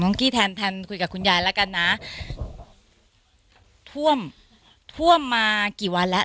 กี้แทนแทนคุยกับคุณยายแล้วกันนะท่วมท่วมมากี่วันแล้ว